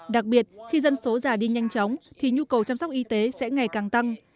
đặc biệt khi dân số già đi nhanh chóng thì nhu cầu chăm sóc y tế sẽ ngày càng tăng